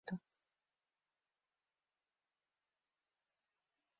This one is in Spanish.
Muy posteriormente, la canal de madera se hizo en piedra y cemento.